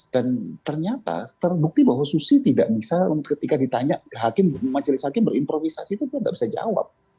dan ternyata terbukti bahwa susi tidak bisa ketika ditanya hakim majelis hakim berimprovisasi itu dia tidak bisa jawab